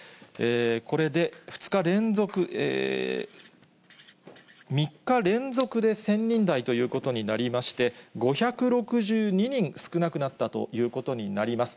これで３日連続で１０００人台ということになりまして、５６２人少なくなったということになります。